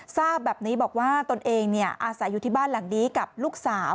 ทราบแบบนี้บอกว่าตนเองอาศัยอยู่ที่บ้านหลังนี้กับลูกสาว